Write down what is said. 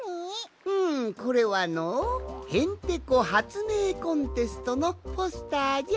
うんこれはの「へんてこはつめいコンテスト」のポスターじゃ。